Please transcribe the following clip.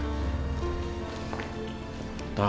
jadinya anak saya gak bisa tidur